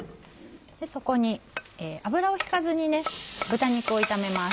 そこに油を引かずに豚肉を炒めます。